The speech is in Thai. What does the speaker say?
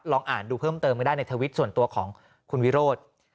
อ่านดูเพิ่มเติมก็ได้ในทวิตส่วนตัวของคุณวิโรธ